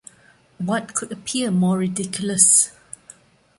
What could appear more ridiculous!